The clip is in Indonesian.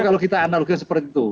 kalau kita analogi seperti itu